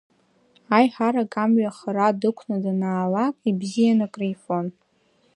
Аиҳарак амҩа хара дықәны данаалак, ибзиан акрифон.